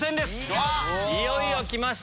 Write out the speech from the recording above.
いよいよきました！